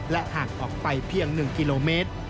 ห่างออกไปเพียง๑กิโลเมตร